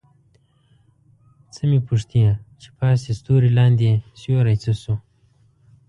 څه مې پوښتې چې پاس دې ستوری لاندې سیوری څه شو؟